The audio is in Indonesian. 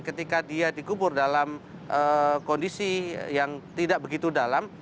ketika dia dikubur dalam kondisi yang tidak begitu dalam